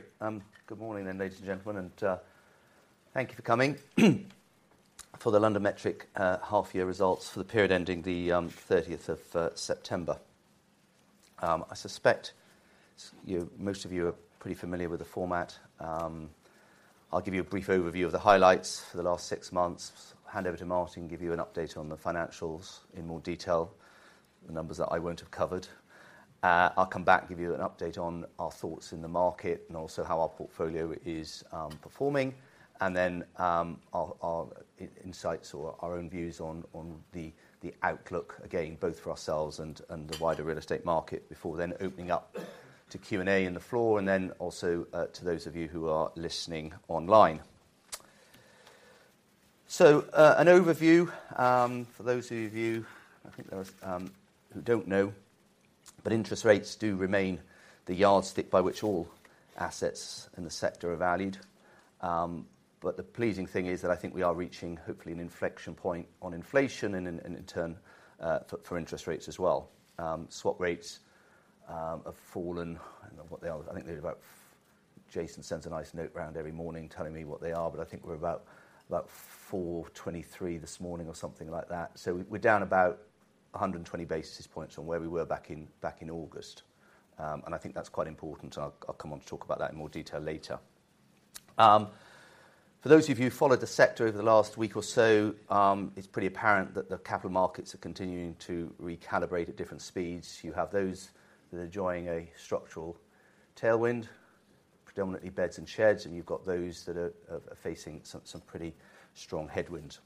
Gre`at. Good morning, then, ladies and gentlemen, and thank you for coming for the LondonMetric half year results for the period ending the 13th of September. I suspect you, most of you are pretty familiar with the format. I'll give you a brief overview of the highlights for the last six months, hand over to Martin, give you an update on the financials in more detail, the numbers that I won't have covered. I'll come back, give you an update on our thoughts in the market and also how our portfolio is performing. And then, our insights or our own views on the outlook, again, both for ourselves and the wider real estate market, before then opening up to Q&A on the floor, and then also to those of you who are listening online. So, an overview for those of you, I think who don't know, but interest rates do remain the yardstick by which all assets in the sector are valued. But the pleasing thing is that I think we are reaching hopefully an inflection point on inflation and in turn for interest rates as well. Swap rates have fallen. I don't know what they are. I think they're about... Jason sends a nice note around every morning telling me what they are, but I think we're about 423 this morning, or something like that. So we're down about 120 basis points from where we were back in August. And I think that's quite important, and I'll come on to talk about that in more detail later. For those of you who followed the sector over the last week or so, it's pretty apparent that the capital markets are continuing to recalibrate at different speeds. You have those that are enjoying a structural tailwind, predominantly beds and sheds, and you've got those that are facing some pretty strong headwinds.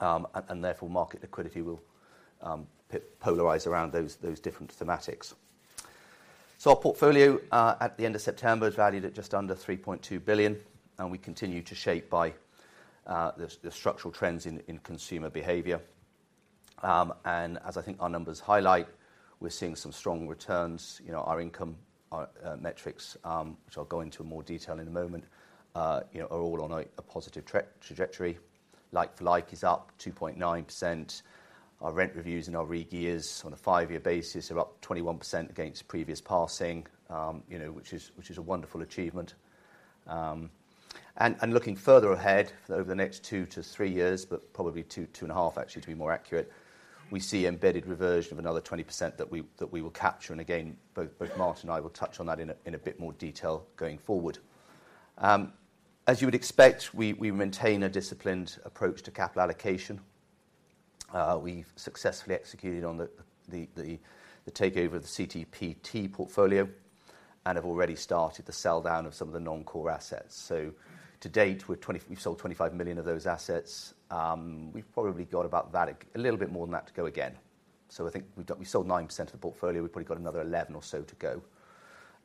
And therefore, market liquidity will polarize around those different thematics. So our portfolio at the end of September is valued at just under 3.2 billion, and we continue to shape by the structural trends in consumer behavior. And as I think our numbers highlight, we're seeing some strong returns. You know, our income, our metrics, which I'll go into in more detail in a moment, you know, are all on a positive trajectory. Like for like is up 2.9%. Our rent reviews and our regears on a five-year basis are up 21% against previous passing, you know, which is, which is a wonderful achievement. And looking further ahead over the next two to three years, but probably two, 2.5, actually, to be more accurate, we see embedded reversion of another 20% that we will capture. And again, both Martin and I will touch on that in a bit more detail going forward. As you would expect, we maintain a disciplined approach to capital allocation. We've successfully executed on the takeover of the CTPT portfolio and have already started the sell-down of some of the non-core assets. So to date, we've sold 25 million of those assets. We've probably got about that, a little bit more than that to go again. So I think we've got we sold 9% of the portfolio. We've probably got another 11 or so to go.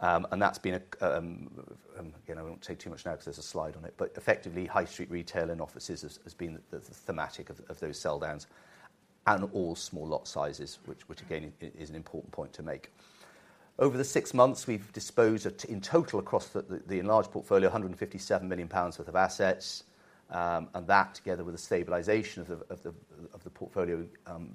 And that's been a You know, I won't say too much now 'cause there's a slide on it, but effectively, high street retail and offices has been the thematic of those sell downs and all small lot sizes, which, again, is an important point to make. Over the six months, we've disposed of, in total, across the enlarged portfolio, 157 million pounds worth of assets. And that, together with the stabilization of the portfolio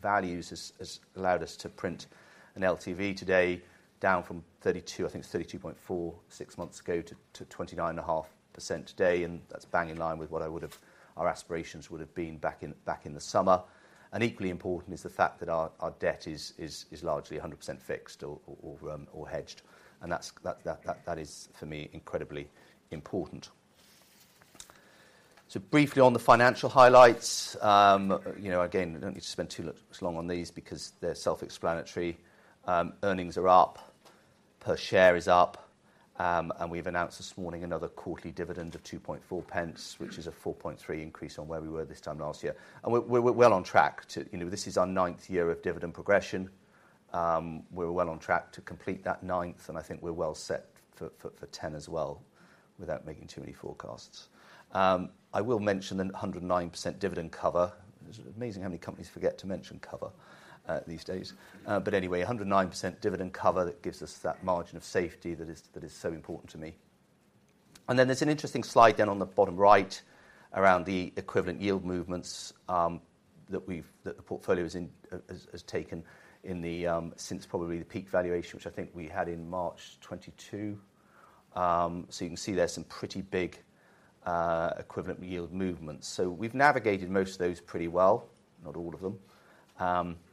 values, has allowed us to print an LTV today, down from 32, I think it's 32.4% six months ago, to 29.5% today, and that's bang in line with what I would have... our aspirations would have been back in the summer. Equally important is the fact that our debt is largely 100% fixed or hedged, and that is, for me, incredibly important. So briefly on the financial highlights, you know, again, I don't need to spend too long on these because they're self-explanatory. Earnings are up, per share is up, and we've announced this morning another quarterly dividend of 0.024, which is a 4.3% increase on where we were this time last year. And we're well on track to... You know, this is our ninth year of dividend progression. We're well on track to complete that ninth, and I think we're well set for 10% as well, without making too many forecasts. I will mention the 109% dividend cover. It's amazing how many companies forget to mention cover these days. But anyway, 109% dividend cover, that gives us that margin of safety that is so important to me. And then there's an interesting slide down on the bottom right, around the equivalent yield movements, that the portfolio has taken in the since probably the peak valuation, which I think we had in March 2022. So you can see there's some pretty big equivalent yield movements. So we've navigated most of those pretty well, not all of them.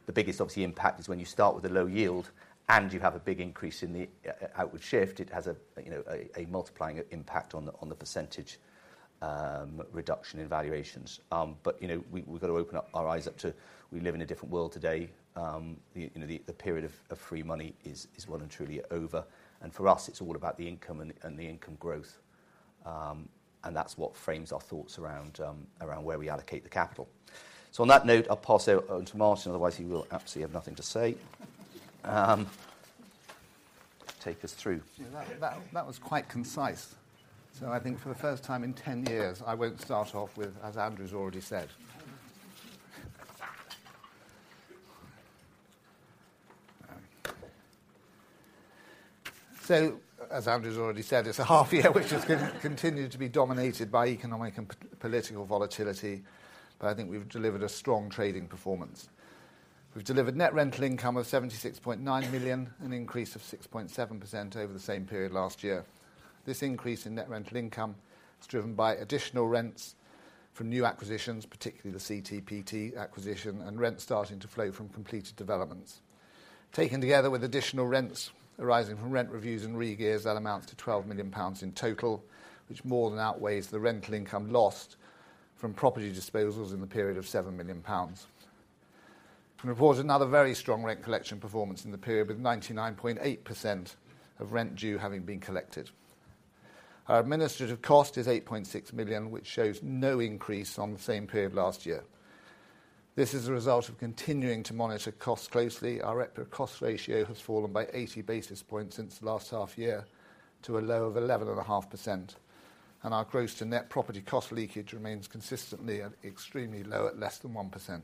The biggest, obviously, impact is when you start with a low yield, and you have a big increase in the outward shift, it has a you know a multiplying impact on the percentage reduction in valuations. But, you know, we've got to open up our eyes up to, we live in a different world today. You know, the period of free money is well and truly over, and for us, it's all about the income and the income growth. And that's what frames our thoughts around where we allocate the capital. So on that note, I'll pass over on to Martin, otherwise, he will absolutely have nothing to say. Take us through. Yeah, that was quite concise. So I think for the first time in 10 years, I won't start off with, "As Andrew has already said." So as Andrew has already said, it's a half year which has continued to be dominated by economic and political volatility, but I think we've delivered a strong trading performance. We've delivered net rental income of 76.9 million, an increase of 6.7% over the same period last year. This increase in net rental income is driven by additional rents from new acquisitions, particularly the CTPT acquisition, and rents starting to flow from completed developments. Taken together with additional rents arising from rent reviews and regears, that amounts to 12 million pounds in total, which more than outweighs the rental income lost from property disposals in the period of 7 million pounds. We report another very strong rent collection performance in the period, with 99.8% of rent due having been collected. Our administrative cost is 8.6 million, which shows no increase on the same period last year. This is a result of continuing to monitor costs closely. Our EPRA cost ratio has fallen by 80 basis points since the last half year, to a low of 11.5%, and our gross to net property cost leakage remains consistently at extremely low, at less than 1%.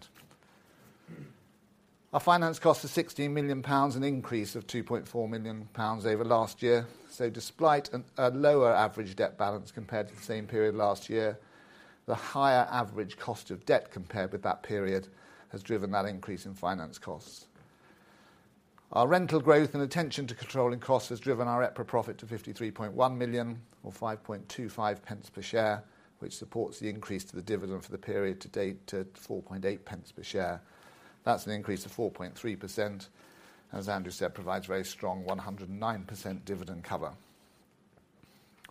Our finance cost is 16 million pounds, an increase of 2.4 million pounds over last year. So despite a lower average debt balance compared to the same period last year, the higher average cost of debt compared with that period has driven that increase in finance costs. Our rental growth and attention to controlling costs has driven our EPRA profit to 53.1 million or 0.525 per share, which supports the increase to the dividend for the period to date to 0.48per share. That's an increase of 4.3%. As Andrew said, provides very strong 109% dividend cover.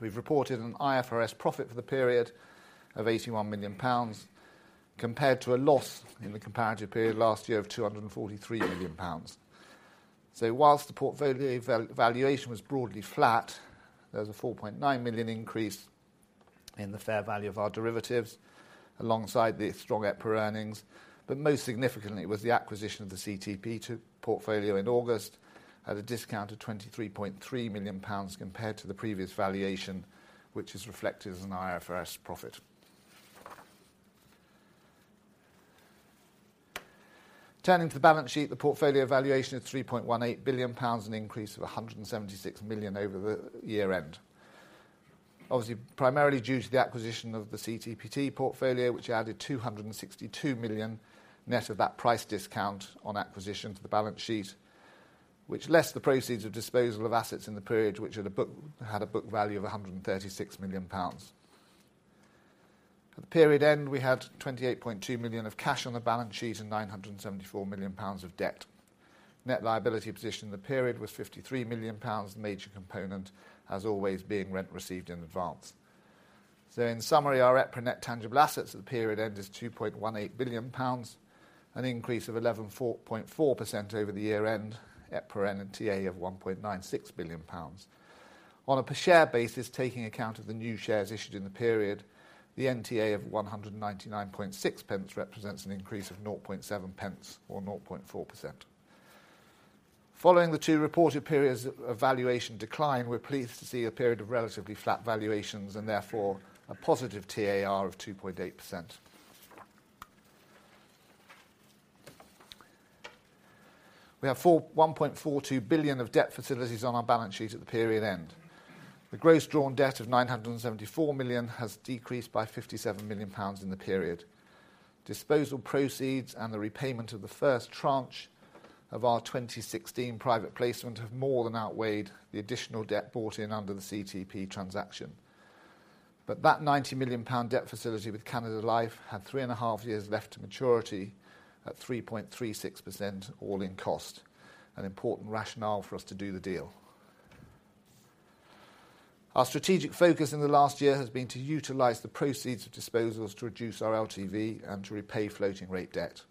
We've reported an IFRS profit for the period of 81 million pounds, compared to a loss in the comparative period last year of 243 million pounds. So whilst the portfolio valuation was broadly flat, there was a 4.9 million increase in the fair value of our derivatives, alongside the strong EPRA earnings. But most significantly was the acquisition of the CTPT portfolio in August, at a discount of 23.3 million pounds compared to the previous valuation, which is reflected as an IFRS profit. Turning to the balance sheet, the portfolio valuation of 3.18 billion pounds, an increase of 176 million over the year end. Obviously, primarily due to the acquisition of the CTPT portfolio, which added 262 million, net of that price discount on acquisition to the balance sheet. Which less the proceeds of disposal of assets in the period, which had a book value of 136 million pounds. At the period end, we had 28.2 million of cash on the balance sheet and 974 million pounds of debt. Net liability position in the period was 53 million pounds, the major component, as always, being rent received in advance. So in summary, our EPRA net tangible assets at the period end is 2.18 billion pounds, an increase of 114.4% over the year end, EPRA NTA of 1.96 billion pounds. On a per share basis, taking account of the new shares issued in the period, the NTA of 199.6 pence represents an increase of 0.7 pence or 0.4%. Following the two reported periods of valuation decline, we're pleased to see a period of relatively flat valuations and therefore a positive TAR of 2.8%. We have 4.142 billion of debt facilities on our balance sheet at the period end. The gross drawn debt of 974 million has decreased by 57 million pounds in the period. Disposal proceeds and the repayment of the first tranche of our 2016 private placement have more than outweighed the additional debt brought in under the CTP transaction. But that 90 million pound debt facility with Canada Life had 3.5 years left to maturity at 3.36% all-in cost, an important rationale for us to do the deal. Our strategic focus in the last year has been to utilize the proceeds of disposals to reduce our LTV and to repay floating rate debt.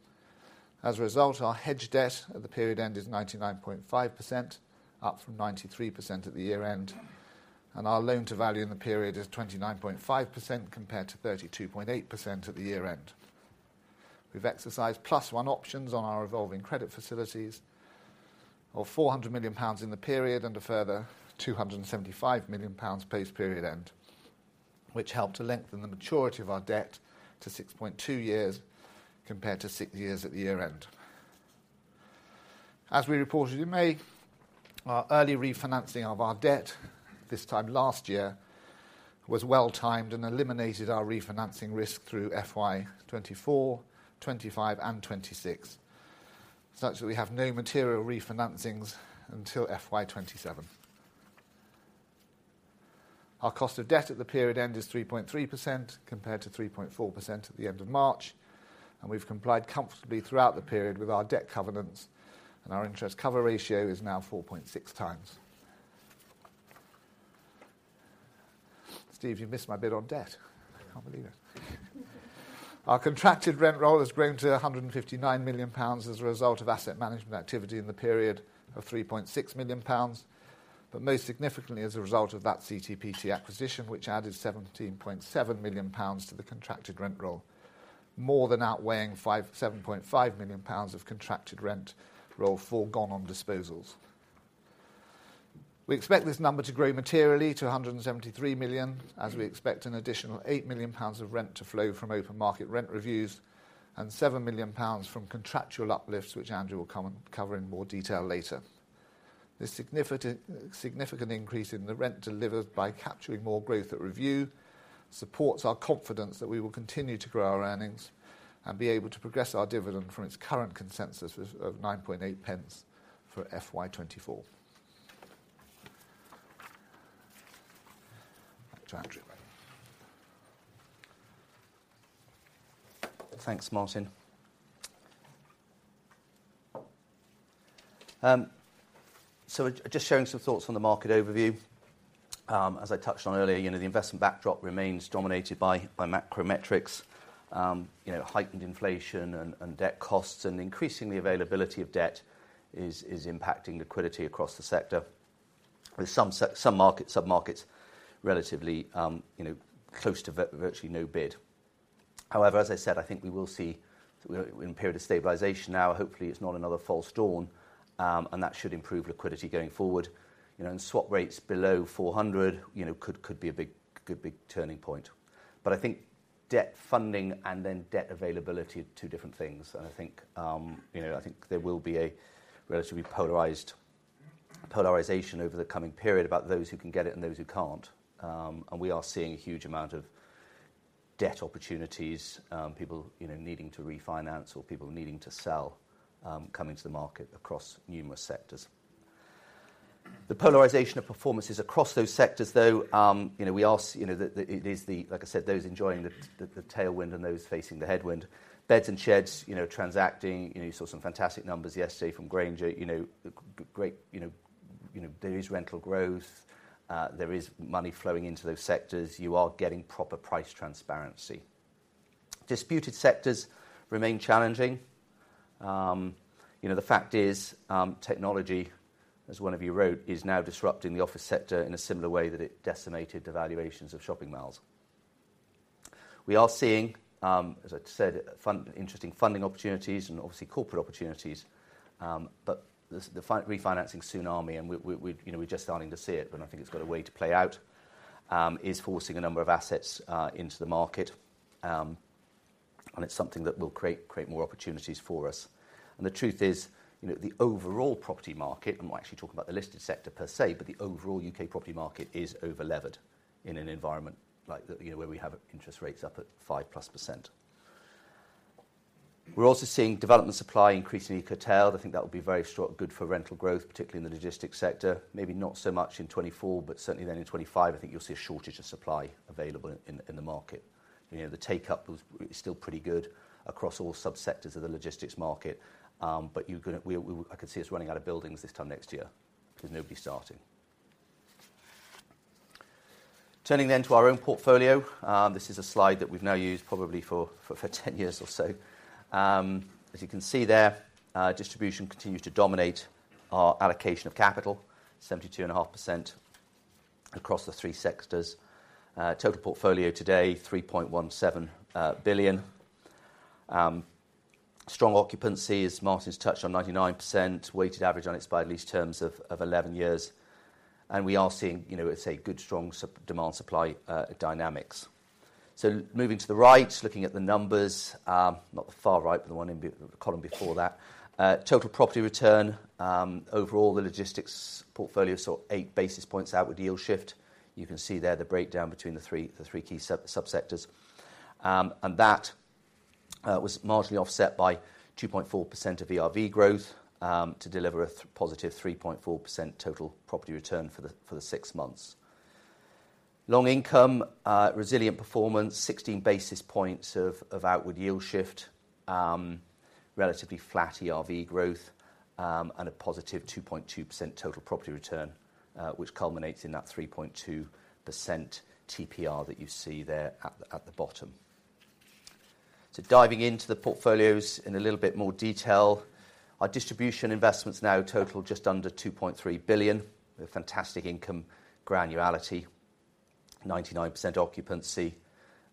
As a result, our hedged debt at the period end is 99.5%, up from 93% at the year-end, and our loan-to-value in the period is 29.5%, compared to 32.8% at the year-end. We've exercised plus one options on our revolving credit facilities of 400 million pounds in the period and a further 275 million pounds post period end, which helped to lengthen the maturity of our debt to 6.2 years compared to six years at the year-end. As we reported in May, our early refinancing of our debt this time last year, was well-timed and eliminated our refinancing risk through FY 2024, 2025 and 2026, such that we have no material refinancings until FY 2027. Our cost of debt at the period end is 3.3%, compared to 3.4% at the end of March, and we've complied comfortably throughout the period with our debt covenants, and our interest cover ratio is now 4.6x. Steve, you missed my bit on debt. I can't believe it. Our contracted rent roll has grown to GBP 159 million as a result of asset management activity in the period of GBP 3.6 million, but most significantly, as a result of that CTPT acquisition, which added GBP 17.7 million to the contracted rent roll, more than outweighing GBP 7.5 million of contracted rent roll forgone on disposals. We expect this number to grow materially to 173 million, as we expect an additional 8 million pounds of rent to flow from open market rent reviews and 7 million pounds from contractual uplifts, which Andrew will come and cover in more detail later.... The significant increase in the rent delivered by capturing more growth at review supports our confidence that we will continue to grow our earnings and be able to progress our dividend from its current consensus of 0.098 for FY 2024. Back to Andrew. Thanks, Martin. So just sharing some thoughts on the market overview. As I touched on earlier, you know, the investment backdrop remains dominated by macro metrics. You know, heightened inflation and debt costs, and increasingly availability of debt is impacting liquidity across the sector, with some market submarkets relatively, you know, close to virtually no bid. However, as I said, I think we will see in a period of stabilization now, hopefully, it's not another false dawn, and that should improve liquidity going forward. You know, and swap rates below 400, you know, could be a big turning point. But I think debt funding and then debt availability are two different things. I think, you know, I think there will be a relatively polarized polarization over the coming period about those who can get it and those who can't. We are seeing a huge amount of debt opportunities, people, you know, needing to refinance or people needing to sell, coming to the market across numerous sectors. The polarization of performances across those sectors, though, you know, we are you know, the, it is the... Like I said, those enjoying the tailwind and those facing the headwind. Beds and Sheds, you know, transacting, you know, you saw some fantastic numbers yesterday from Grainger. You know, great, you know, you know, there is rental growth, there is money flowing into those sectors. You are getting proper price transparency. Disrupted sectors remain challenging. You know, the fact is, technology, as one of you wrote, is now disrupting the office sector in a similar way that it decimated the valuations of shopping malls. We are seeing, as I said, interesting funding opportunities and obviously corporate opportunities, but the refinancing tsunami, and we're, you know, we're just starting to see it, but I think it's got a way to play out, is forcing a number of assets into the market. And it's something that will create more opportunities for us. And the truth is, you know, the overall property market, and we're actually talking about the listed sector per se, but the overall U.K. property market is over-levered in an environment like you know, where we have interest rates up at 5%+. We're also seeing development supply increasingly curtailed. I think that would be very short, good for rental growth, particularly in the logistics sector. Maybe not so much in 2024, but certainly then in 2025, I think you'll see a shortage of supply available in the market. You know, the take-up was still pretty good across all subsectors of the logistics market, but I could see us running out of buildings this time next year because nobody's starting. Turning then to our own portfolio. This is a slide that we've now used probably for 10 years or so. As you can see there, distribution continues to dominate our allocation of capital, 72.5% across the three sectors. Total portfolio today, 3.17 billion. Strong occupancy, as Martin's touched on, 99%, weighted average unexpired lease terms of 11 years. And we are seeing, you know, I'd say, good, strong supply-demand dynamics. So moving to the right, looking at the numbers, not the far right, but the one in the column before that. Total property return, overall, the logistics portfolio saw eight basis points outward yield shift. You can see there the breakdown between the three, the three key subsectors. And that was marginally offset by 2.4% of ERV growth, to deliver a positive 3.4% total property return for the six months. Long income, resilient performance, 16 basis points of outward yield shift, relatively flat ERV growth, and a positive 2.2% total property return, which culminates in that 3.2% TPR that you see there at the bottom. So diving into the portfolios in a little bit more detail. Our distribution investments now total just under 2.3 billion, with fantastic income granularity, 99% occupancy,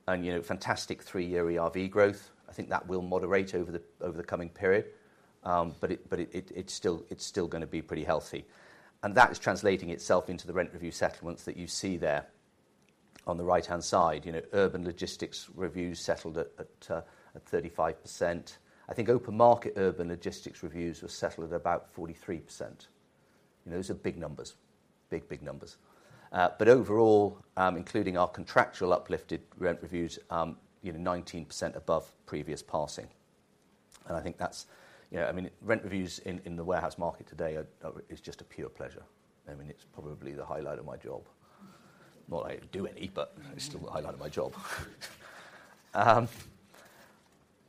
and, you know, fantastic three-year ERV growth. I think that will moderate over the coming period. But it, it's still gonna be pretty healthy. And that is translating itself into the rent review settlements that you see there on the right-hand side. You know, urban logistics reviews settled at 35%. I think open market urban logistics reviews were settled at about 43%. You know, those are big numbers. Big, big numbers. But overall, including our contractual uplifted rent reviews, you know, 19% above previous passing. And I think that's... You know, I mean, rent reviews in the warehouse market today are just a pure pleasure. I mean, it's probably the highlight of my job. Not I do any, but it's still the highlight of my job.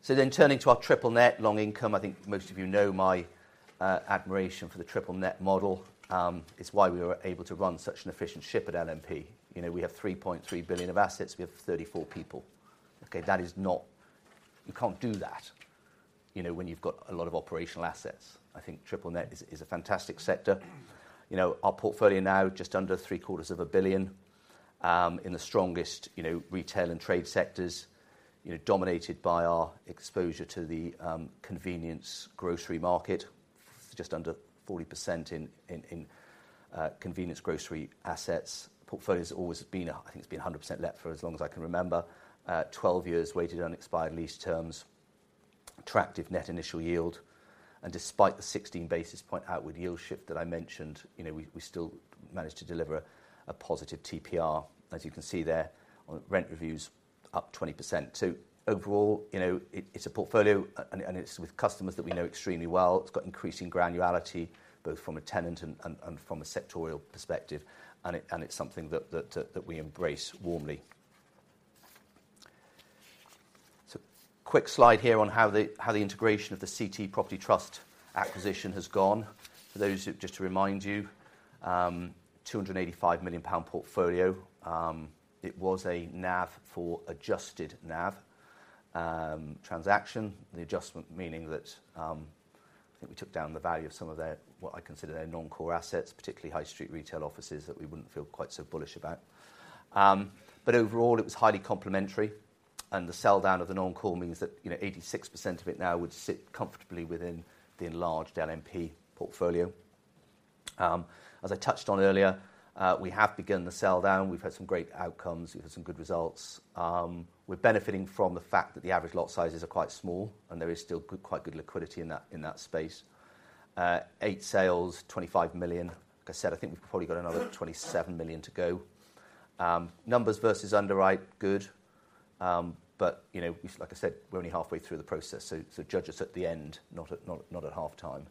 So then turning to our triple net long income, I think most of you know my admiration for the triple net model. It's why we are able to run such an efficient ship at LMP. You know, we have 3.3 billion of assets, we have 34 people. Okay, that is not—you can't do that, you know, when you've got a lot of operational assets. I think triple net is a fantastic sector. You know, our portfolio now just under 750 million in the strongest, you know, retail and trade sectors, you know, dominated by our exposure to the convenience grocery market. Just under 40% in convenience grocery assets. Portfolio's always been, I think it's been 100% let for as long as I can remember. 12 years weighted unexpired lease terms, attractive net initial yield. And despite the 16 basis point outward yield shift that I mentioned, you know, we still managed to deliver a positive TPR, as you can see there, on rent reviews up 20%. So overall, you know, it's a portfolio, and it's with customers that we know extremely well. It's got increasing granularity, both from a tenant and from a sectoral perspective, and it's something that we embrace warmly. So quick slide here on how the integration of the CT Property Trust acquisition has gone. Just to remind you, 285 million pound portfolio. It was a NAV for adjusted NAV transaction. The adjustment meaning that, I think we took down the value of some of their, what I consider their non-core assets, particularly high street retail offices, that we wouldn't feel quite so bullish about. But overall, it was highly complementary, and the sell-down of the non-core means that, you know, 86% of it now would sit comfortably within the enlarged LMP portfolio. As I touched on earlier, we have begun the sell-down. We've had some great outcomes. We've had some good results. We're benefiting from the fact that the average lot sizes are quite small, and there is still quite good liquidity in that space. Eight sales, 25 million. Like I said, I think we've probably got another 27 million to go. Numbers versus underwrite, good. But, you know, we, like I said, we're only halfway through the process, so judge us at the end, not at half-time.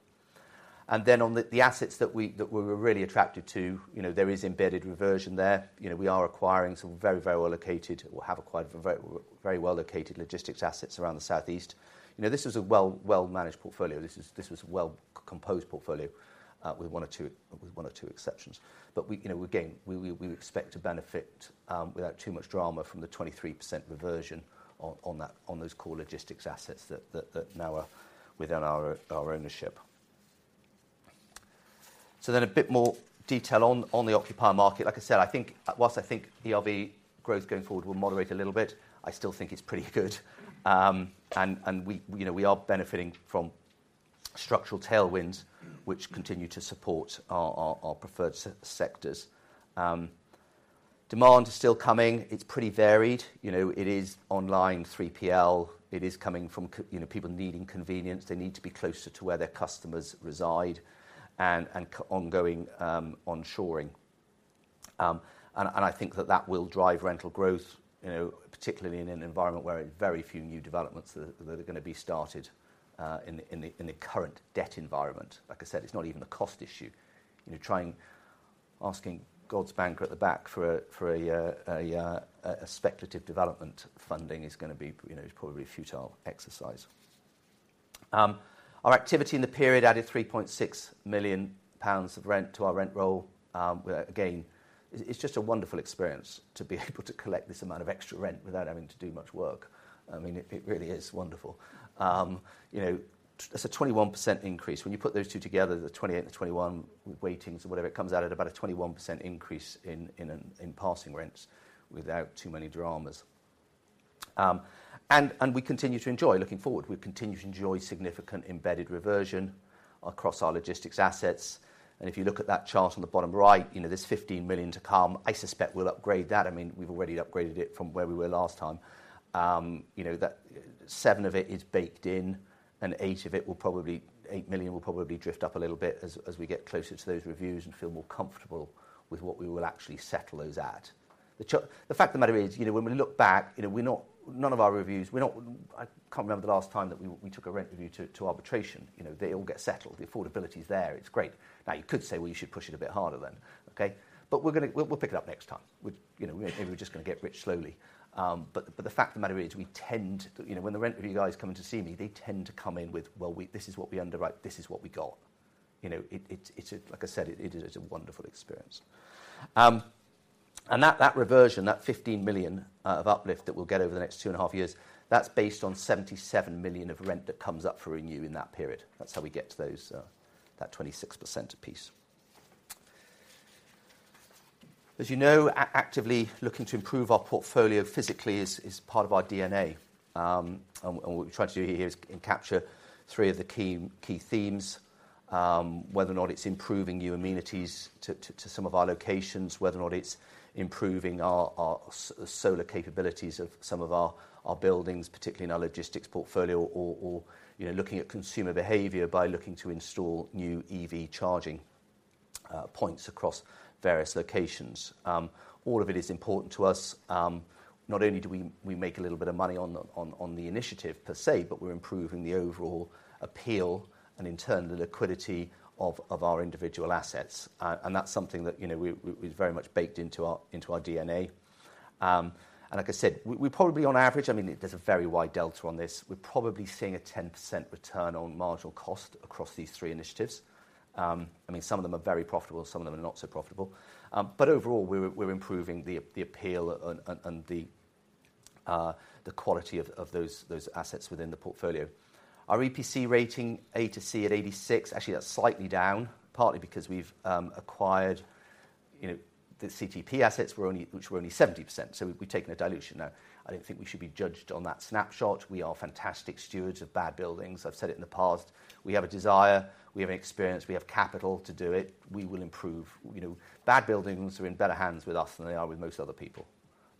And then on the assets that we're really attracted to, you know, there is embedded reversion there. You know, we are acquiring some very, very well-located... We have acquired very well-located logistics assets around the Southeast. You know, this was a well-managed portfolio. This is, this was a well-composed portfolio with one or two, with one or two exceptions. But we, you know, again, we expect to benefit without too much drama from the 23% reversion on those core logistics assets that now are within our ownership. So then a bit more detail on the occupier market. Like I said, I think, while I think ERV growth going forward will moderate a little bit, I still think it's pretty good. And we, you know, we are benefiting from structural tailwinds, which continue to support our preferred sectors. Demand is still coming. It's pretty varied. You know, it is online 3PL. It is coming from, you know, people needing convenience. They need to be closer to where their customers reside and ongoing onshoring. And I think that that will drive rental growth, you know, particularly in an environment where very few new developments are gonna be started in the current debt environment. Like I said, it's not even a cost issue. You know, trying asking God's banker at the back for a speculative development funding is gonna be, you know, is probably a futile exercise. Our activity in the period added 3.6 million pounds of rent to our rent roll. Again, it's just a wonderful experience to be able to collect this amount of extra rent without having to do much work. I mean, it really is wonderful. You know, it's a 21% increase. When you put those two together, the 28 and 21 weightings or whatever, it comes out at about a 21% increase in passing rents without too many dramas. And we continue to enjoy looking forward. We continue to enjoy significant embedded reversion across our logistics assets. And if you look at that chart on the bottom right, you know, there's 15 million to come. I suspect we'll upgrade that. I mean, we've already upgraded it from where we were last time. You know, that seven of it is baked in, and eight of it will probably—GBP 8 million will probably drift up a little bit as we get closer to those reviews and feel more comfortable with what we will actually settle those at. The fact of the matter is, you know, when we look back, you know, we're not none of our reviews, we're not. I can't remember the last time that we took a rent review to arbitration. You know, they all get settled. The affordability is there. It's great. Now, you could say, "Well, you should push it a bit harder then," okay? But we'll pick it up next time. We, you know, we're just gonna get rich slowly. But the fact of the matter is, we tend to. You know, when the rent review guys come in to see me, they tend to come in with, "Well, this is what we underwrite. This is what we got." You know, it's a, like I said, it is a wonderful experience. And that, that reversion, that 15 million of uplift that we'll get over the next two and a half years, that's based on 77 million of rent that comes up for renew in that period. That's how we get to those, that 26% apiece. As you know, actively looking to improve our portfolio physically is part of our DNA. And what we're trying to do here is encapsulate three of the key themes. Whether or not it's improving new amenities to some of our locations, whether or not it's improving our solar capabilities of some of our buildings, particularly in our logistics portfolio, or you know, looking at consumer behavior by looking to install new EV charging points across various locations. All of it is important to us. Not only do we make a little bit of money on the initiative per se, but we're improving the overall appeal and in turn, the liquidity of our individual assets. And that's something that, you know, we is very much baked into our DNA. And like I said, we probably on average, I mean, there's a very wide delta on this. We're probably seeing a 10% return on marginal cost across these three initiatives. I mean, some of them are very profitable, some of them are not so profitable. But overall, we're improving the appeal and the quality of those assets within the portfolio. Our EPC rating, A to C at 86%, actually, that's slightly down, partly because we've acquired, you know, the CTP assets were only, which were only 70%. So we've taken a dilution there. I don't think we should be judged on that snapshot. We are fantastic stewards of bad buildings. I've said it in the past. We have a desire, we have experience, we have capital to do it. We will improve. You know, bad buildings are in better hands with us than they are with most other people...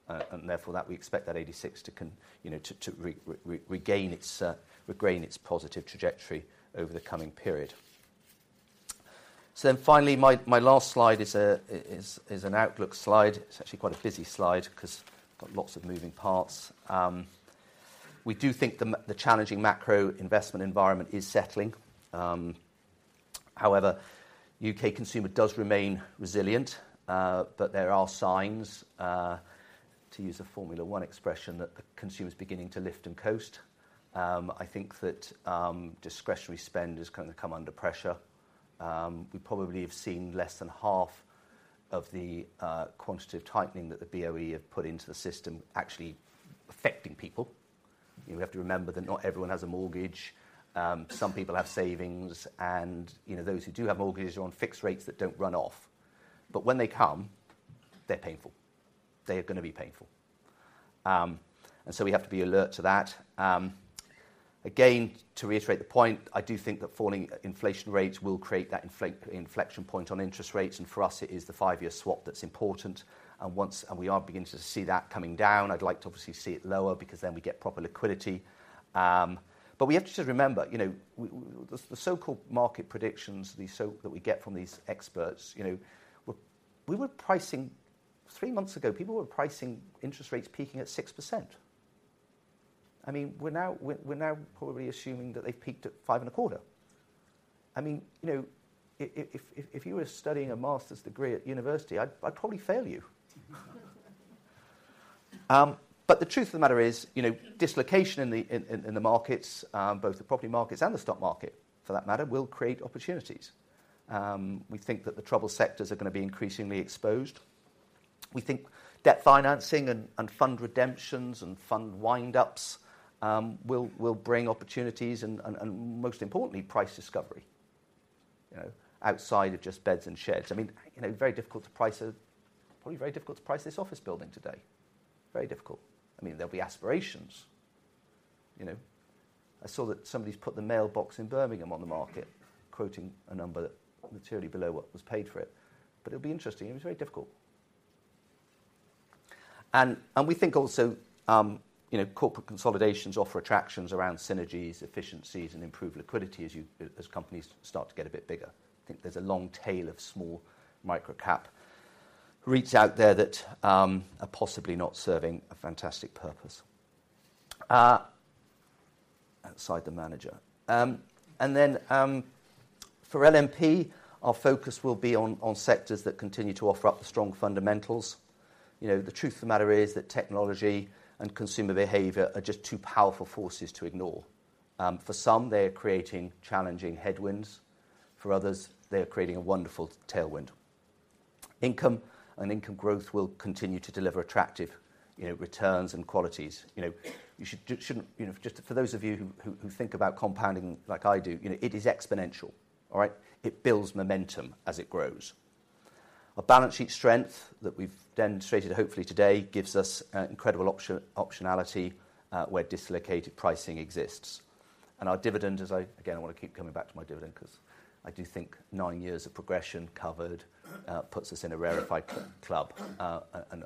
and therefore, that we expect that 86 to con, you know, to, to re-re-regain its, regain its positive trajectory over the coming period. So then finally, my, my last slide is, is, is an outlook slide. It's actually quite a busy slide 'cause it's got lots of moving parts. We do think the challenging macro investment environment is settling. However, UK consumer does remain resilient, but there are signs to use a Formula One expression, that the consumer is beginning to lift and coast. I think that discretionary spend is gonna come under pressure. We probably have seen less than half of the quantitative tightening that the BOE have put into the system actually affecting people. You have to remember that not everyone has a mortgage. Some people have savings, and, you know, those who do have mortgages are on fixed rates that don't run off. But when they come, they're painful. They are gonna be painful. And so we have to be alert to that. Again, to reiterate the point, I do think that falling inflation rates will create that inflection point on interest rates, and for us, it is the five-year swap that's important. We are beginning to see that coming down. I'd like to obviously see it lower because then we get proper liquidity. But we have to just remember, you know, the so-called market predictions that we get from these experts, you know, we were pricing three months ago, people were pricing interest rates peaking at 6%. I mean, we're now probably assuming that they've peaked at 0.525. I mean, you know, if you were studying a master's degree at university, I'd probably fail you. But the truth of the matter is, you know, dislocation in the markets, both the property markets and the stock market, for that matter, will create opportunities. We think that the troubled sectors are gonna be increasingly exposed. We think debt financing and fund redemptions and fund wind-ups will bring opportunities and, most importantly, price discovery, you know, outside of just beds and sheds. I mean, you know, very difficult to price a probably very difficult to price this office building today. Very difficult. I mean, there'll be aspirations, you know. I saw that somebody's put the Mailbox in Birmingham on the market, quoting a number that materially below what was paid for it. But it'll be interesting, and it's very difficult. We think also, you know, corporate consolidations offer attractions around synergies, efficiencies, and improved liquidity as companies start to get a bit bigger. I think there's a long tail of small micro-cap REITs out there that are possibly not serving a fantastic purpose outside the manager. And then, for LMP, our focus will be on sectors that continue to offer up the strong fundamentals. You know, the truth of the matter is that technology and consumer behavior are just two powerful forces to ignore. For some, they're creating challenging headwinds, for others, they are creating a wonderful tailwind. Income and income growth will continue to deliver attractive, you know, returns and qualities. You know, you shouldn't, you know, just for those of you who think about compounding like I do, you know, it is exponential. All right? It builds momentum as it grows. A balance sheet strength that we've demonstrated, hopefully today, gives us incredible optionality where dislocated pricing exists. And our dividend, as I again, I want to keep coming back to my dividend 'cause I do think nine years of progression covered puts us in a rarefied club,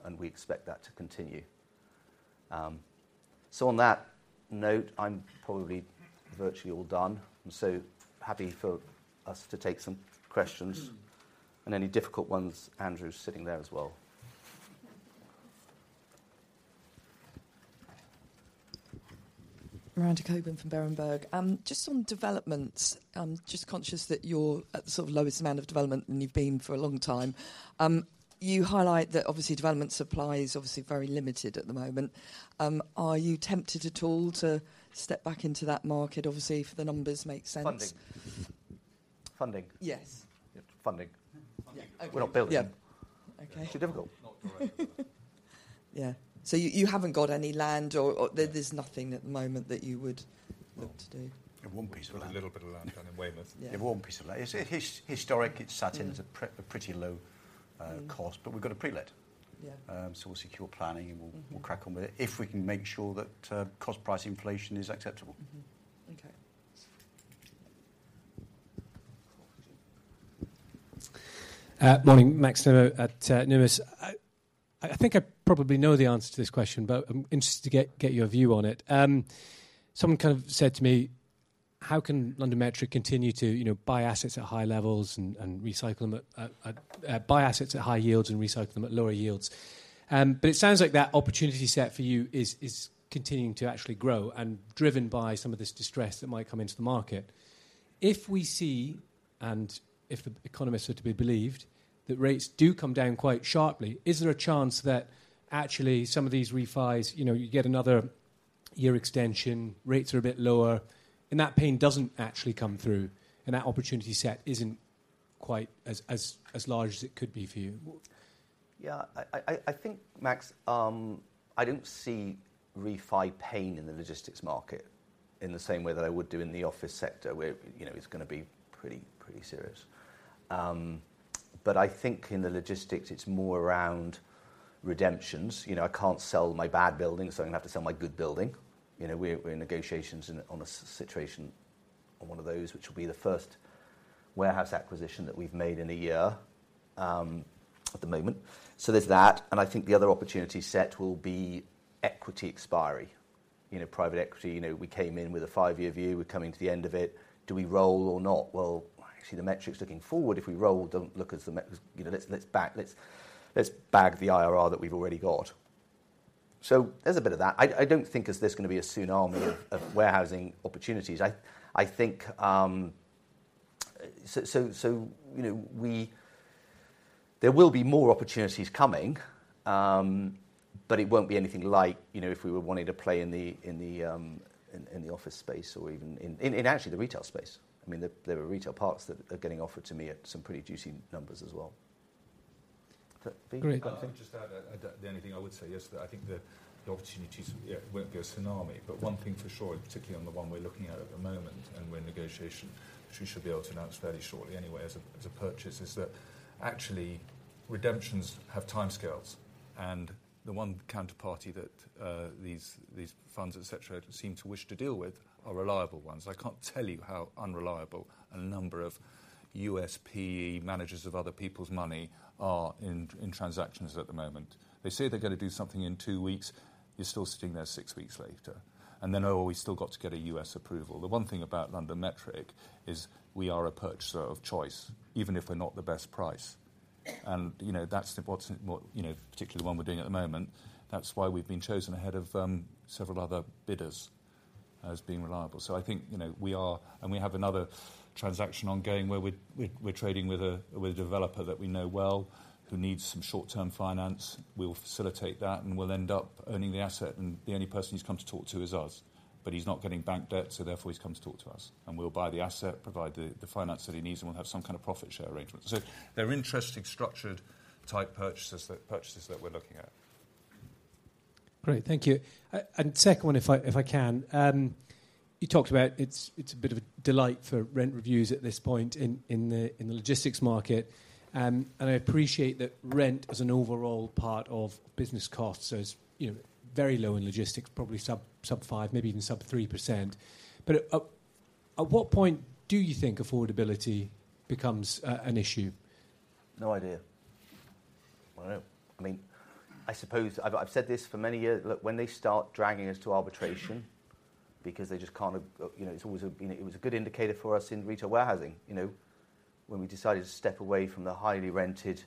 and we expect that to continue. So on that note, I'm probably virtually all done. I'm so happy for us to take some questions, and any difficult ones, Andrew is sitting there as well. Miranda Sherwin from Berenberg. Just on developments, just conscious that you're at the sort of lowest amount of development than you've been for a long time. You highlight that obviously, development supply is obviously very limited at the moment. Are you tempted at all to step back into that market, obviously, if the numbers make sense? Funding. Funding. Yes. Funding. Yeah. We're not building. Yeah. Okay. It's too difficult. Yeah. So you haven't got any land or there's nothing at the moment that you would- No. love to do? We have one piece of land. We've a little bit of land down in Weymouth. Yeah. We have one piece of land. It's historic. It's sat in- Mm-hmm... at a pretty low cost, but we've got a pre-let. Yeah. We'll secure planning, and we'll- Mm-hmm... we'll crack on with it. If we can make sure that, cost price inflation is acceptable. Mm-hmm. Okay. Morning. Max Sherwood at Numis. I think I probably know the answer to this question, but I'm interested to get your view on it. Someone kind of said to me: How can London Metric continue to, you know, buy assets at high levels and recycle them at, buy assets at high yields and recycle them at lower yields? But it sounds like that opportunity set for you is continuing to actually grow and driven by some of this distress that might come into the market. If we see, and if the economists are to be believed, that rates do come down quite sharply, is there a chance that actually some of these refis, you know, you get another year extension, rates are a bit lower, and that pain doesn't actually come through, and that opportunity set isn't quite as large as it could be for you? Well, yeah, I think, Max, I don't see refi pain in the logistics market in the same way that I would do in the office sector, where, you know, it's gonna be pretty, pretty serious. But I think in the logistics, it's more around redemptions. You know, I can't sell my bad building, so I'm gonna have to sell my good building. You know, we're in negotiations on a situation on one of those, which will be the first warehouse acquisition that we've made in a year, at the moment. So there's that, and I think the other opportunity set will be equity expiry. You know, private equity, you know, we came in with a five-year view. We're coming to the end of it. Do we roll or not? Well, actually, the metrics looking forward, if we roll, don't look. You know, let's bag the IRR that we've already got. So there's a bit of that. I don't think this is gonna be a tsunami of warehousing opportunities. I think, so, you know, there will be more opportunities coming, but it won't be anything like, you know, if we were wanting to play in the office space or even in actually the retail space. I mean, there are retail parks that are getting offered to me at some pretty juicy numbers as well. But great- I think just to add, the only thing I would say, yes, that I think the, the opportunities, yeah, won't be a tsunami. But one thing for sure, particularly on the one we're looking at, at the moment, and we're in negotiation, which we should be able to announce fairly shortly anyway as a, as a purchase, is that actually redemptions have timescales. And the one counterparty that, these, these funds, et cetera, seem to wish to deal with are reliable ones. I can't tell you how unreliable a number of USPE managers of other people's money are in, in transactions at the moment. They say they're gonna do something in two weeks, you're still sitting there six weeks later. And then, "Oh, we still got to get a U.S. approval." The one thing about LondonMetric is we are a purchaser of choice, even if we're not the best price. And, you know, that's what. You know, particularly the one we're doing at the moment, that's why we've been chosen ahead of several other bidders, as being reliable. So I think, you know, we are and we have another transaction ongoing where we're trading with a developer that we know well, who needs some short-term finance. We'll facilitate that, and we'll end up owning the asset, and the only person he's come to talk to is us. But he's not getting bank debt, so therefore, he's come to talk to us. And we'll buy the asset, provide the finance that he needs, and we'll have some kind of profit share arrangement. They're interesting, structured-type purchases that we're looking at. Great. Thank you. And second one, if I can. You talked about it's a bit of a delight for rent reviews at this point in the logistics market. And I appreciate that rent is an overall part of business costs, so it's, you know, very low in logistics, probably sub 5%, maybe even sub 3%. But at what point do you think affordability becomes an issue? No idea. I don't know. I mean, I suppose I've said this for many years. Look, when they start dragging us to arbitration because they just can't, you know, it's always, you know. It was a good indicator for us in retail warehousing, you know, when we decided to step away from the highly rented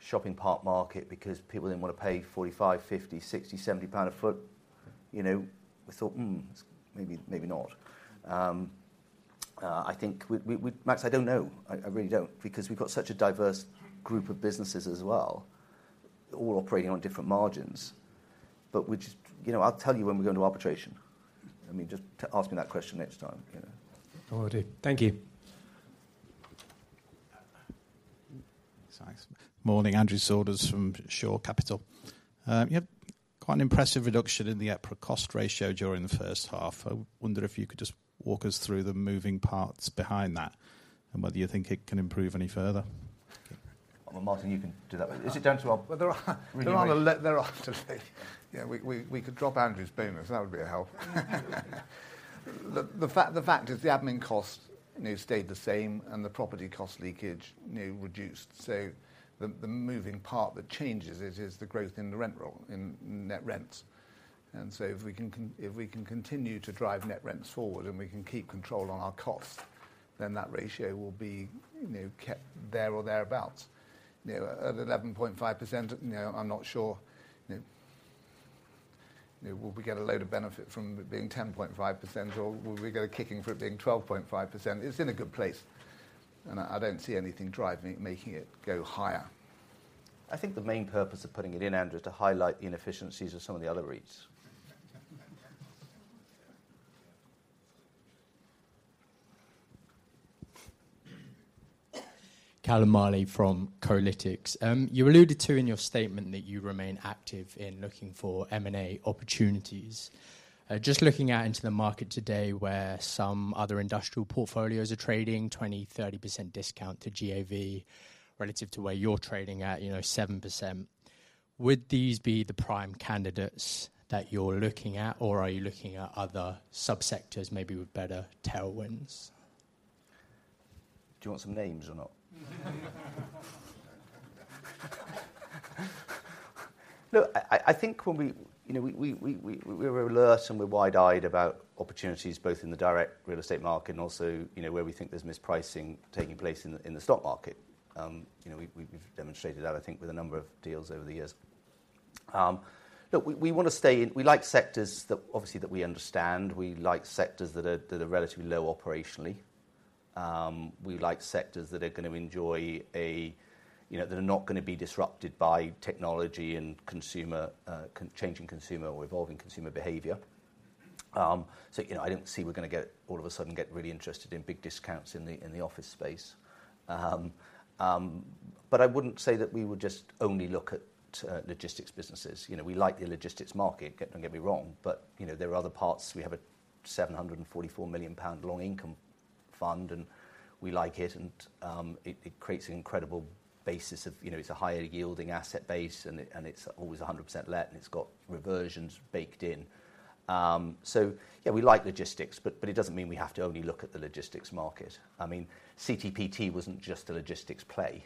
shopping park market because people didn't want to pay 45, 50, 60, 70 pound a foot, you know. We thought, "Hmm, maybe, maybe not." I think we—Max, I don't know. I really don't because we've got such a diverse group of businesses as well, all operating on different margins. But we just. You know, I'll tell you when we go into arbitration. I mean, just ask me that question next time, you know? Will do. Thank you. Thanks. Morning, Andrew Saunders from Shore Capital. You have quite an impressive reduction in the EPRA cost ratio during the first half. I wonder if you could just walk us through the moving parts behind that and whether you think it can improve any further. Well, Martin, you can do that. Is it down to our- Well, there are a lot... Yeah, we could drop Andrew's bonus. That would be a help. The fact is the admin cost, you know, stayed the same, and the property cost leakage, you know, reduced. So the moving part that changes it is the growth in the rent roll, in net rents. And so if we can continue to drive net rents forward, and we can keep control on our costs, then that ratio will be, you know, kept there or thereabouts. You know, at 11.5%, you know, I'm not sure, you know, you know, will we get a load of benefit from it being 10.5%, or will we go kicking for it being 12.5%? It's in a good place, and I don't see anything driving, making it go higher. I think the main purpose of putting it in, Andrew, is to highlight the inefficiencies of some of the other REITs. Callum Marley from Kolytics. You alluded to in your statement that you remain active in looking for M&A opportunities. Just looking out into the market today, where some other industrial portfolios are trading 20%-30% discount to GAV relative to where you're trading at, you know, 7%, would these be the prime candidates that you're looking at, or are you looking at other subsectors maybe with better tailwinds? Do you want some names or not? Look, I think when we... You know, we're alert and we're wide-eyed about opportunities both in the direct real estate market and also, you know, where we think there's mispricing taking place in the stock market. You know, we've demonstrated that, I think, with a number of deals over the years. Look, we wanna stay in- we like sectors that, obviously, that we understand. We like sectors that are relatively low operationally. We like sectors that are gonna enjoy a, you know, that are not gonna be disrupted by technology and changing consumer or evolving consumer behavior. So, you know, I don't see we're gonna get, all of a sudden get really interested in big discounts in the office space. But I wouldn't say that we would just only look at logistics businesses. You know, we like the logistics market, don't get me wrong, but, you know, there are other parts. We have a 744 million pound long income fund, and we like it, and it creates an incredible basis of, you know, it's a higher-yielding asset base, and it's always 100% let, and it's got reversions baked in.... So yeah, we like logistics, but it doesn't mean we have to only look at the logistics market. I mean, CTPT wasn't just a logistics play,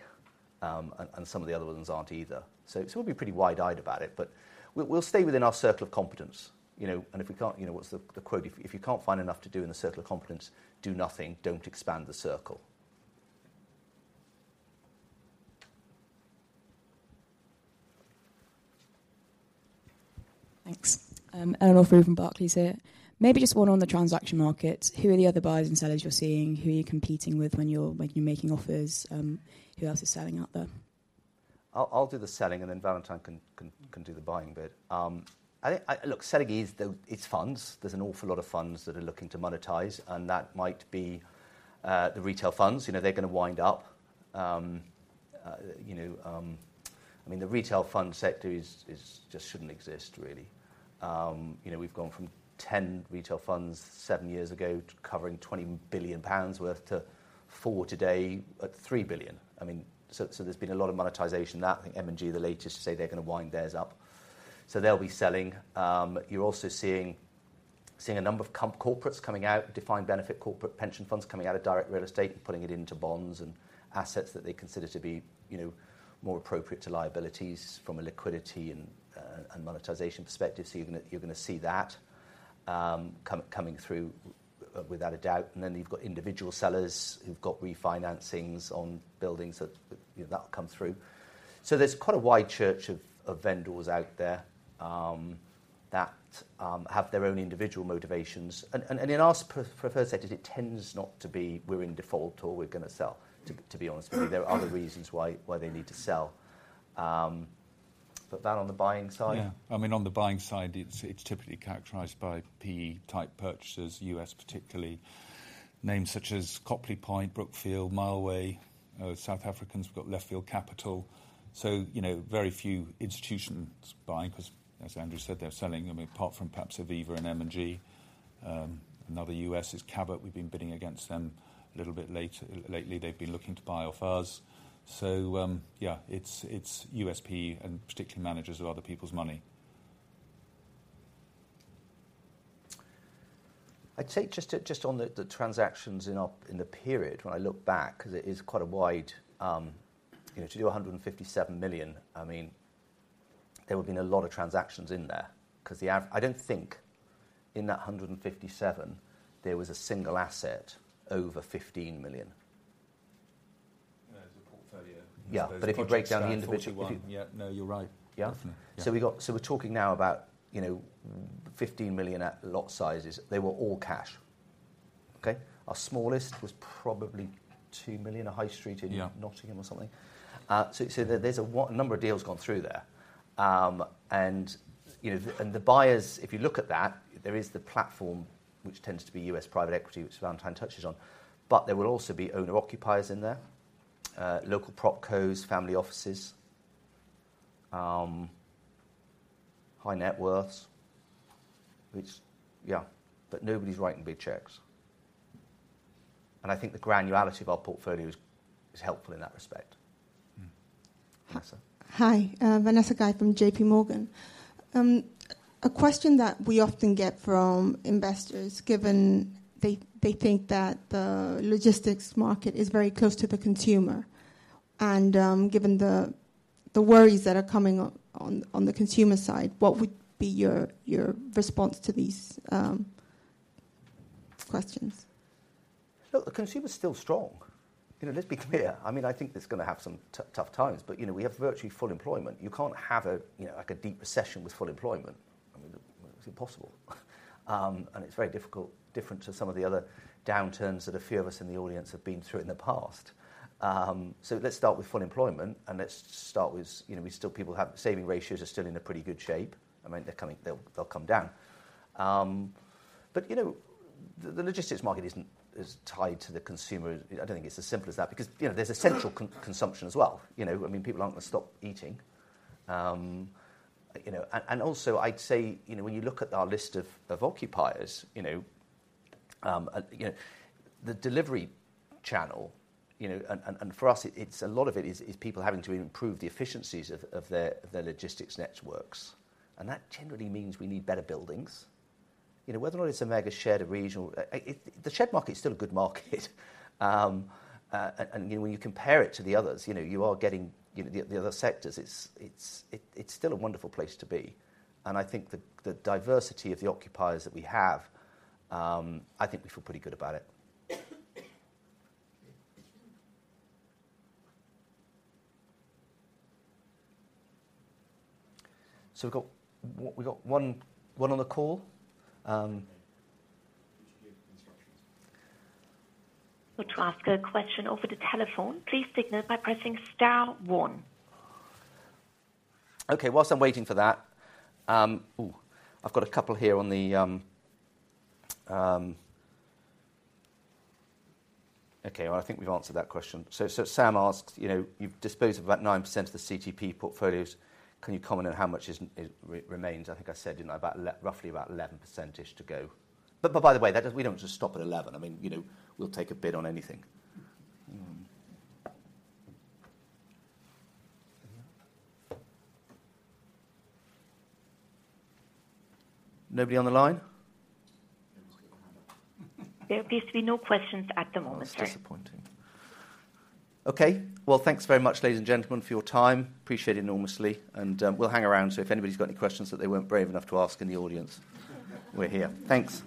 and some of the other ones aren't either. So we'll be pretty wide-eyed about it, but we'll stay within our circle of competence, you know? And if we can't, you know, what's the, the quote? If you can't find enough to do in the circle of competence, do nothing. Don't expand the circle. Thanks. Eleanor from Barclays here. Maybe just one on the transaction market. Who are the other buyers and sellers you're seeing? Who are you competing with when you're making offers? Who else is selling out there? I'll do the selling, and then Valentine can do the buying bit. I think... look, selling is the, it's funds. There's an awful lot of funds that are looking to monetize, and that might be the retail funds. You know, they're gonna wind up, you know, I mean, the retail fund sector is just shouldn't exist, really. You know, we've gone from 10 retail funds seven years ago, covering 20 billion pounds worth, to 4 billion today at 3 billion. I mean, so there's been a lot of monetization. That and M&G, the latest to say they're gonna wind theirs up. So they'll be selling. You're also seeing a number of corporates coming out, defined benefit corporate pension funds coming out of direct real estate and putting it into bonds and assets that they consider to be, you know, more appropriate to liabilities from a liquidity and monetization perspective. So you're gonna see that coming through without a doubt. And then you've got individual sellers who've got refinancings on buildings that, you know, that'll come through. So there's quite a wide church of vendors out there that have their own individual motivations. And in our preferred sector, it tends not to be, "We're in default, or we're gonna sell," to be honest with you. There are other reasons why they need to sell. But Val, on the buying side? Yeah. I mean, on the buying side, it's typically characterized by PE-type purchasers, U.S. particularly. Names such as Copley Point, Brookfield, Mileway, South Africans, we've got Leftfield Capital. So, you know, very few institutions buying, 'cause, as Andrew said, they're selling. I mean, apart from perhaps Aviva and M&G. Another U.S. is Cabot. We've been bidding against them a little bit lately. They've been looking to buy off us. So, yeah, it's U.S. PE and particularly managers of other people's money. I'd say just on the transactions in our period, when I look back, 'cause it is quite a wide, you know, to do 157 million, I mean, there would've been a lot of transactions in there. 'Cause the average—I don't think in that 157 million, there was a single asset over 15 million. Yeah, as a portfolio. Yeah. But- But if you break down the individual- 41. Yeah. No, you're right. Yeah? Mm-hmm. Yeah. So we're talking now about, you know, 15 million lot sizes. They were all cash. Okay? Our smallest was probably 2 million, a high street in- Yeah... Nottingham or something. So there's a number of deals gone through there. And you know, the buyers, if you look at that, there is the platform, which tends to be U.S. private equity, which Valentine touches on, but there will also be owner-occupiers in there, local propcos, family offices, high net worths, which... Yeah. But nobody's writing big checks. And I think the granularity of our portfolio is helpful in that respect. Mm. Vanessa? Hi, Vanessa Sherwin from JPMorgan. A question that we often get from investors, given they, they think that the logistics market is very close to the consumer and, given the, the worries that are coming up on, on the consumer side, what would be your, your response to these, questions? Look, the consumer's still strong. You know, let's be clear. I mean, I think there's gonna have some tough times, but, you know, we have virtually full employment. You can't have a, you know, like a deep recession with full employment. I mean, it's impossible. And it's very difficult, different to some of the other downturns that a few of us in the audience have been through in the past. So let's start with full employment, and let's start with, you know, we still, people have saving ratios are still in a pretty good shape. I mean, they're coming. They'll come down. But, you know, the logistics market isn't as tied to the consumer. I don't think it's as simple as that because, you know, there's essential consumption as well, you know? I mean, people aren't gonna stop eating. You know, and also, I'd say, you know, when you look at our list of occupiers, you know, you know, the delivery channel, you know, and for us, it's a lot of it is people having to improve the efficiencies of their logistics networks, and that generally means we need better buildings. You know, whether or not it's a mega shed or regional, the shed market is still a good market. And when you compare it to the others, you know, you are getting, you know, the other sectors, it's still a wonderful place to be. And I think the diversity of the occupiers that we have, I think we feel pretty good about it. So we've got one on the call. Could you give instructions? Would you like to ask a question over the telephone? Please signal by pressing star one. Okay, while I'm waiting for that. Ooh, I've got a couple here on the. Okay, well, I think we've answered that question. So Sam asks, you know, "You've disposed of about 9% of the CTPT portfolios. Can you comment on how much remains?" I think I said, you know, roughly about 11%-ish to go. But by the way, that does. We don't just stop at 11. I mean, you know, we'll take a bid on anything. Mm. Nobody on the line? Nobody's got their hand up. There appears to be no questions at the moment, sir. Oh, disappointing. Okay. Well, thanks very much, ladies and gentlemen, for your time. Appreciate it enormously, and we'll hang around, so if anybody's got any questions that they weren't brave enough to ask in the audience, we're here. Thanks!